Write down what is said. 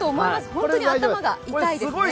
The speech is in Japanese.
本当に頭が痛いですね。